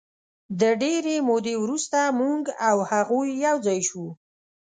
د ډېرې مودې وروسته موږ او هغوی یو ځای شوو.